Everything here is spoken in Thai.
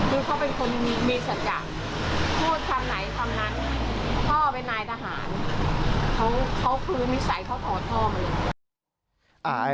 คือเค้าเป็นคนมีสัญญาพูดทำไหนทำนั้นเพราะเป็นนายทหารเค้าพื้นมิสัยเค้าถอดท่อมาเลย